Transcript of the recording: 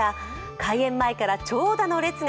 開園前から長蛇の列が。